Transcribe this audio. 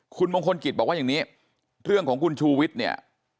คุณมงคลกิจบอกว่าอย่างนี้เรื่องของคุณชูวิทย์เนี่ย